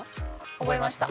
覚えました。